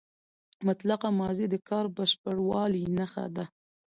مطلقه ماضي د کار د بشپړوالي نخښه ده.